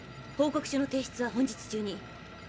報告書の提出は本日中に。